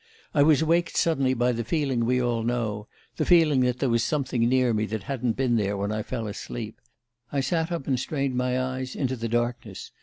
I was waked suddenly by the feeling we all know the feeling that there was something near me that hadn't been there when I fell asleep. I sat up and strained my eyes into the darkness.